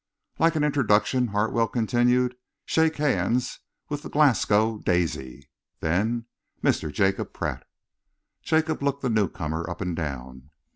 "Like an introduction?" Hartwell continued. "Shake hands with the Glasgow Daisy, then Mr. Jacob Pratt." Jacob looked the newcomer up and down.